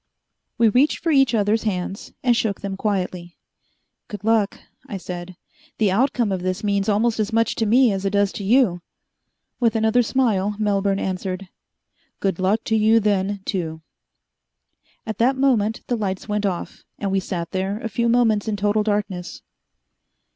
We reached for each other's hands, and shook them quietly. "Good luck," I said. "The outcome of this means almost as much to me as it does to you." With another smile, Melbourne answered: "Good luck to you, then, too." At that moment the lights went off, and we sat there a few moments in total darkness....